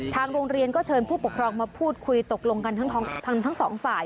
ทางโรงเรียนก็เชิญผู้ปกครองมาพูดคุยตกลงกันทั้งสองฝ่าย